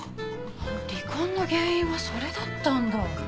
離婚の原因はそれだったんだ。